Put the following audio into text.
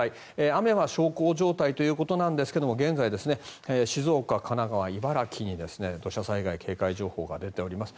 雨は小康状態ということなんですが現在、静岡、神奈川、茨城に土砂災害警戒情報が出ております。